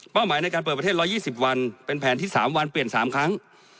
หมายในการเปิดประเทศ๑๒๐วันเป็นแผนที่๓วันเปลี่ยน๓ครั้ง